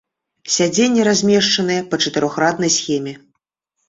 Сядзенні размешчаныя па чатырохраднай схеме.